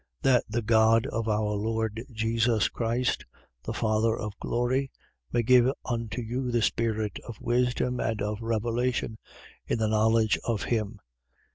That the God of our Lord Jesus Christ, the Father of glory, may give unto you the spirit of wisdom and of revelation, in the knowledge of him: 1:18.